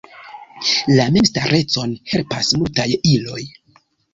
La memstarecon helpas multaj iloj.